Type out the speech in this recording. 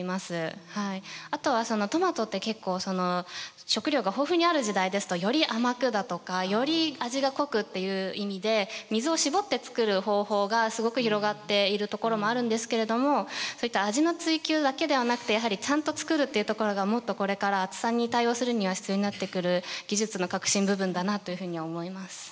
あとはトマトって結構食料が豊富にある時代ですとより甘くだとかより味が濃くっていう意味で水をしぼって作る方法がすごく広がっているところもあるんですけれどもそういった味の追求だけではなくてやはりちゃんと作るっていうところがもっとこれから暑さに対応するには必要になってくる技術の核心部分だなというふうに思います。